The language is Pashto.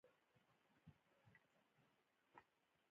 څوک پوهیږي چې د ژوند راز څه ده